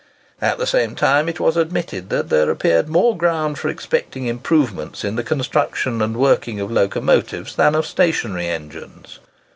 At the same time it was admitted that there appeared more ground for expecting improvements in the construction and working of locomotives than of stationary engines.